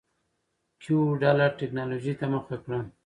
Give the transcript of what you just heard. کیو ډله ټکنالوجۍ ته مخه کړه.